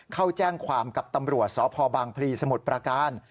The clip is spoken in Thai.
เข้าแจ้งความกับตำรวจสพบางพลีสมุทรประการ